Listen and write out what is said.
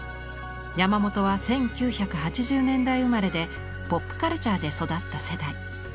山本は１９８０年代生まれでポップカルチャーで育った世代。